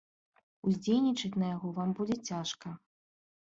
Уздзейнічаць на яго вам будзе цяжка.